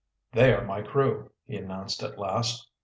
"They are my crew," he announced at last.